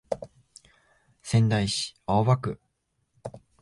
仙台市青葉区